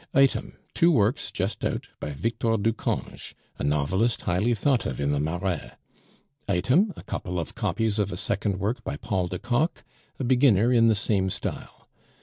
Item two works, just out, by Victor Ducange, a novelist highly thought of in the Marais. Item a couple of copies of a second work by Paul de Kock, a beginner in the same style.